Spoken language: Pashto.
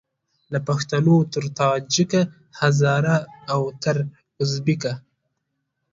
له پښتونه تر تاجیکه هزاره او تر اوزبیکه